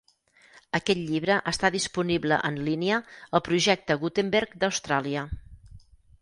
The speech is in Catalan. Aquest llibre està disponible en línia al Projecte Gutenberg d'Austràlia.